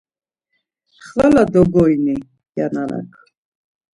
Xvala dogoini, ya nanak.